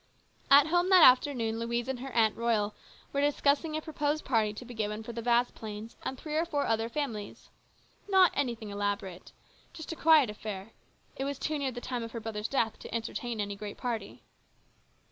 At home that afternoon Louise and her Aunt Royal were discussing a proposed party to be given for the Vasplaines and three or four other families. Not anything elaborate. Just a quiet affair ; it was too near the time of her brother's death to entertain any great party.